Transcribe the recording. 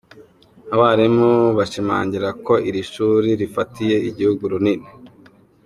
Abarimu bashimangira ko iri shuri rifatiye igihugu runini.